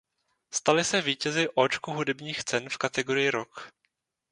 Stali se vítězi Óčko hudebních cen v kategorii rock.